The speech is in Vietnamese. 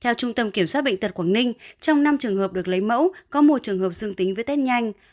theo trung tâm kiểm soát bệnh tật quảng ninh trong năm trường hợp được lấy mẫu có một trường hợp dương tính với test nhanh